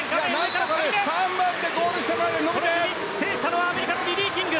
制したのはアメリカリリー・キング。